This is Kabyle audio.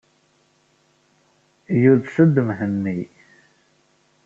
Yudes-d Mhenni.